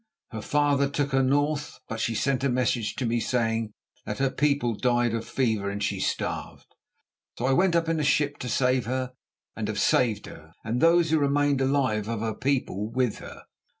Her father took her north. But she sent a message to me saying that her people died of fever and she starved. So I went up in a ship to save her, and have saved her, and those who remained alive of her people with her."